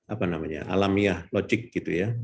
apa namanya alamiah logik gitu ya